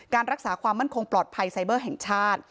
รักษาความมั่นคงปลอดภัยไซเบอร์แห่งชาติ